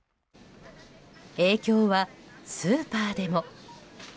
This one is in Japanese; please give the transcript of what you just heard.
影響はスーパーでも。